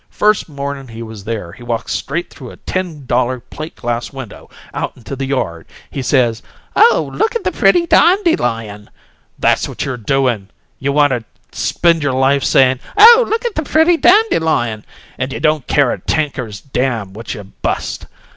First morning he was there he walked straight though a ten dollar plate glass window out into the yard. He says, 'Oh, look at the pretty dandelion!' That's what you're doin'! You want to spend your life sayin', 'Oh, look at the pretty dandelion!' and you don't care a tinker's dam' what you bust!